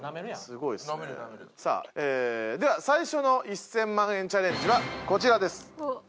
すごいですねさあでは最初の１０００万円チャレンジはこちらです。